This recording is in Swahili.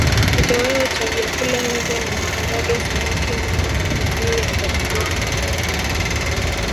Kitoweo cha vyakula hivyo ni maharage samaki nyama na jamii ya mbogamboga